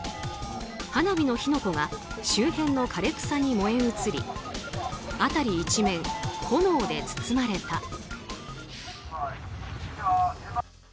花火の火の粉が周辺の枯れ草に燃え移り辺り一面、炎で包まれた。